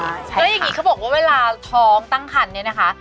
แล้วอย่างนี้เขาบอกว่าเวลาท้องตั้งคันเนี่ยนะคะ